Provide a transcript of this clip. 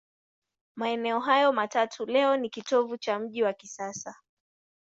Maeneo hayo matatu leo ni kitovu cha mji wa kisasa.